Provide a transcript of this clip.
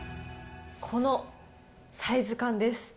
このサイズ感です。